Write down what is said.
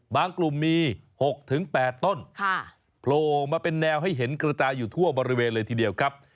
กลุ่มมี๖๘ต้นโผล่มาเป็นแนวให้เห็นกระจายอยู่ทั่วบริเวณเลยทีเดียวครับ